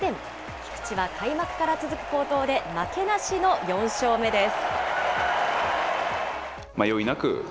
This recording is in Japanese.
菊池は開幕から続く好投で、負けなしの４勝目です。